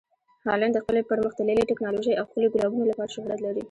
هالنډ د خپلې پرمخ تللې ټکنالوژۍ او ښکلي ګلابونو لپاره شهرت لري.